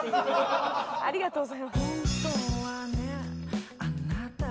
ありがとうございます。